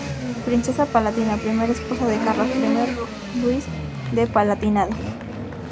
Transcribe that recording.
Princesa Palatina, primera esposa de Carlos I Luis del Palatinado.